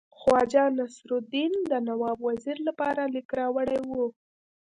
خواجه نصیرالدین د نواب وزیر لپاره لیک راوړی وو.